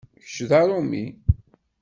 Kečč d aṛumi.